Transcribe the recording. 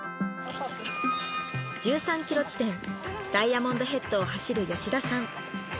１３ｋｍ地点ダイヤモンドヘッドを走る吉田さん